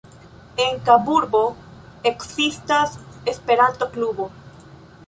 En Kaburbo ekzistas Esperanto-klubo.